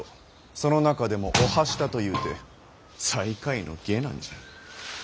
その中でも御半下というて最下位の下男じゃ。